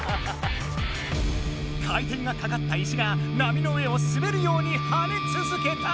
回転がかかった石が波の上をすべるようにはねつづけた！